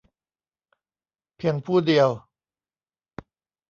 เพียงผู้เดียว